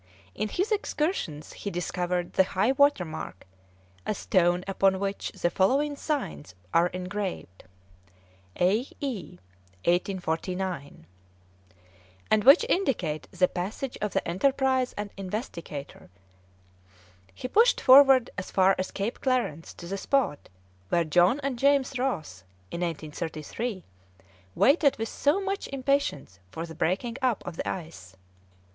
In his excursions he discovered the high water mark, a stone upon which the following signs are engraved: (E. I.) 1849, and which indicate the passage of the Enterprise and Investigator; he pushed forward as far as Cape Clarence to the spot where John and James Ross, in 1833, waited with so much impatience for the breaking up of the ice.